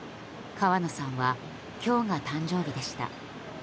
川野さんは今日が誕生日でした。